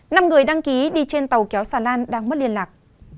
năm người đăng ký đi trên tàu kéo xà lan đang mất liên lạc